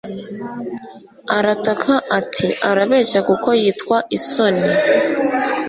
Arataka ati Arabeshya kuko yitwa Isoni